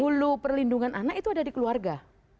hulu perlindungan anak itu ada di keluarga